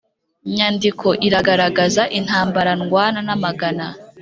nyandiko iragaragaza intambara ndwana namagana